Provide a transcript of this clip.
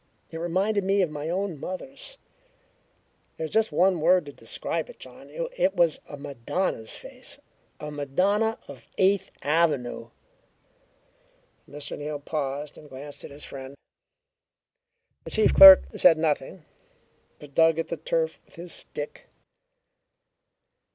It reminded me of my own mother's. There is just one word to describe it, John: it was a Madonna's face a Madonna of Eighth Avenue!" Mr. Neal paused and glanced at his friend. The chief clerk said nothing, but dug at the turf with his stick.